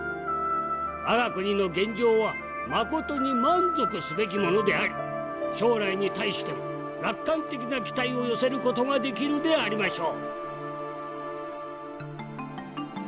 我が国の現状はまことに満足すべきものであり将来に対しても楽観的な期待を寄せる事ができるでありましょう」。